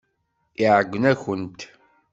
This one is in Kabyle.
Iɛeyyen-akent.